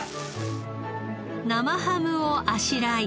生ハムをあしらい。